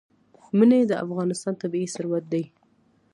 منی د افغانستان طبعي ثروت دی.